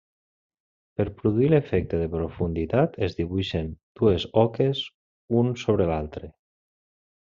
Per produir l'efecte de profunditat, es dibuixen dues oques un sobre l'altre.